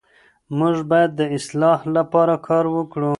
موږ باید د اصلاح لپاره کار وکړو.